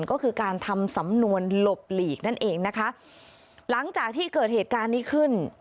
ก็คือการทำสำนวนหลบหลีกนั่นเองนะคะหลังจากที่เกิดเหตุการณ์นี้ขึ้น